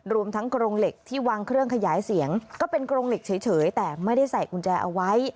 รวมทั้งกรงเหล็กที่วางเครื่องขยายเสียงก็เป็นกรงเหล็กเฉยแต่ไม่ได้ใส่กุญแจเอาไว้